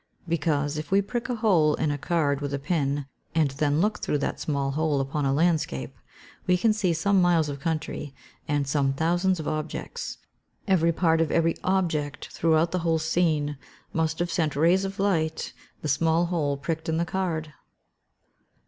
_ Because if we prick a hole in a card with a pin, and then look through that small hole upon a landscape, we can see some miles of country, and some thousands of objects; every part of every object throughout the whole scene, must have sent rays of light the small hole pricked in the card.